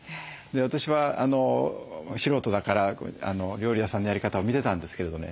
私は素人だから料理屋さんのやり方を見てたんですけれどね。